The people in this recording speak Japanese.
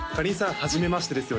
はじめましてなんですよ